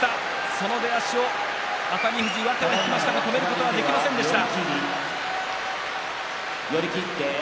その出足、熱海富士は上手を引けましたが止めることはできませんでした。